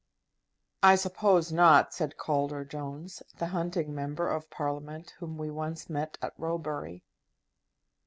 "I suppose not," said Calder Jones, the hunting Member of Parliament whom we once met at Roebury.